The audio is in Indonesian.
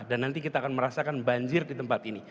dan nanti kita akan merasakan banjir di tempat ini